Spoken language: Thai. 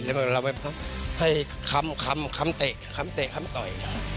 แล้วเราไปให้คำคำเตะคำเตะคำต่อย